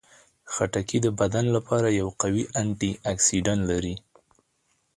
خټکی د بدن لپاره یو قوي انټياکسیدان لري.